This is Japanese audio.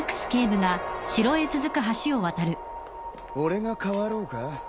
俺が代わろうか？